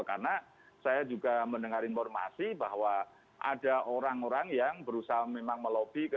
karena saya juga mendengar informasi bahwa ada orang orang yang berusaha memang melobi